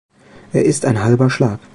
Er ist ein Halber Schlag.